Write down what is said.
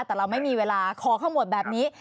แต่เราไม่มีเวลาขอข้อมูลแบบนี้